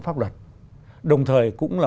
pháp luật đồng thời cũng là